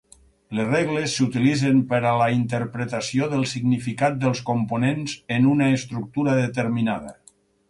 Les regles s'utilitzen per a la interpretació del significat dels components en una estructura determinada.